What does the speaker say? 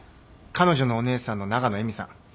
彼女のお姉さんの永野絵美さん。